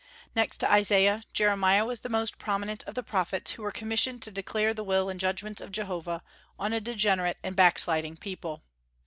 Next to Isaiah, Jeremiah was the most prominent of the prophets who were commissioned to declare the will and judgments of Jehovah on a degenerate and backsliding people.